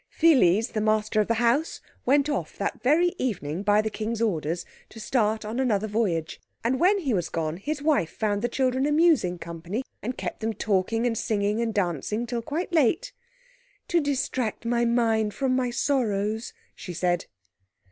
Pheles, the master of the house, went off that very evening, by the King's orders, to start on another voyage. And when he was gone his wife found the children amusing company, and kept them talking and singing and dancing till quite late. "To distract my mind from my sorrows," she said.